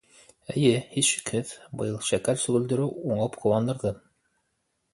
Эйе, һис шикһеҙ, быйыл шәкәр сөгөлдөрө уңып ҡыуандырҙы.